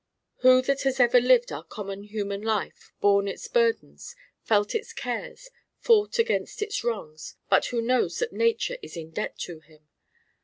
Who that has ever lived our common human life, borne its burdens, felt its cares, fought against its wrongs, who but knows that Nature is in debt to him?